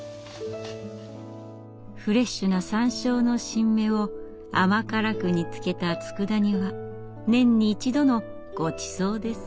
フレッシュなサンショウの新芽を甘辛く煮つけたつくだ煮は年に一度のごちそうです。